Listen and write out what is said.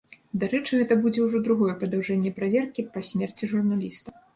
Дарэчы, гэта будзе ўжо другое падаўжэнне праверкі па смерці журналіста.